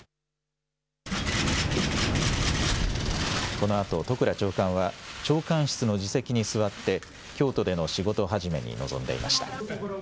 このあと、都倉長官は長官室の自席に座って、京都での仕事始めに臨んでいました。